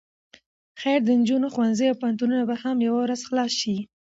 خير د نجونو ښوونځي او پوهنتونونه به هم يوه ورځ خلاص شي.